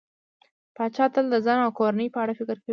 پاچا تل د ځان او کورنۍ په اړه فکر کوي.